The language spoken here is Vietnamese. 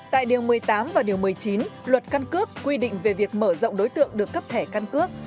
tại điều một mươi tám và điều một mươi chín luật căn cước quy định về việc mở rộng đối tượng được cấp thẻ căn cước